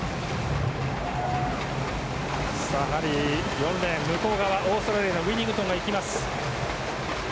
４レーン、オーストラリアのウィニングトンがいきます。